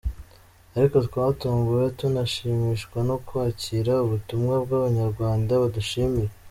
Ariko twatunguwe tunashimishwa no kwakira ubutumwa bw’abanyaRwanda badushimira.